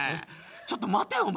ちょっと待てお前。